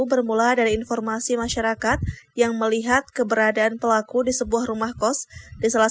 bermula dari informasi masyarakat yang melihat keberadaan pelaku di sebuah rumah kos di salah